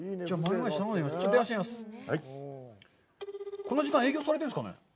この時間、営業されてるんですかね？